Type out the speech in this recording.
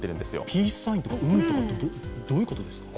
ピースサインとか、運とかどういうことですか？